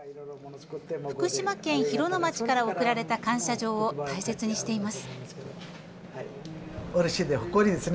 福島県広野町から贈られた感謝状を大切にしています。